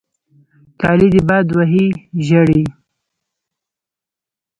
کالې دې باد وهي ژړې.